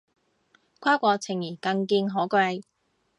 跨國情誼更見可貴